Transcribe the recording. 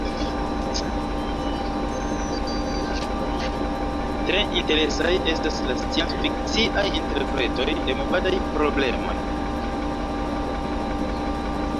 Tre interesaj estas la sciencfikciaj interpretoj de movadaj problemoj.